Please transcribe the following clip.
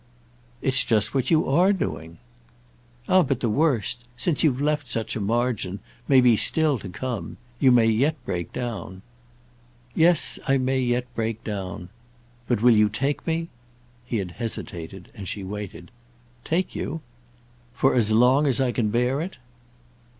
"It's just what you are doing." "Ah but the worst—since you've left such a margin—may be still to come. You may yet break down." "Yes, I may yet break down. But will you take me—?" He had hesitated, and she waited. "Take you?" "For as long as I can bear it."